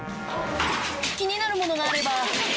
気になるものがあれば。